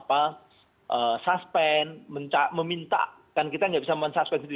kan kita tidak bisa suspend sendiri